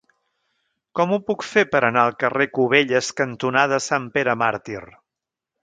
Com ho puc fer per anar al carrer Cubelles cantonada Sant Pere Màrtir?